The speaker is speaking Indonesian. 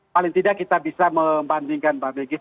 paling tidak kita bisa membandingkan